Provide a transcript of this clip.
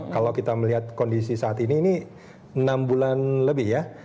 kalau kita melihat kondisi saat ini ini enam bulan lebih ya